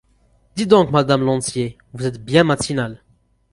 Dites donc, madame Lantier, vous êtes bien matinale !